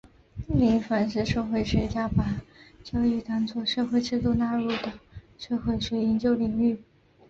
另一方是社会学家把教育当作社会制度纳入到社会学研究领域。